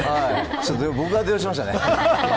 ちょっと、僕が動揺しましたね。